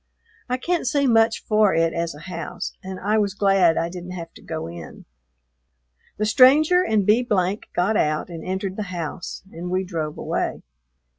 I can't say much for it as a house, and I was glad I didn't have to go in. The stranger and B got out and entered the house, and we drove away.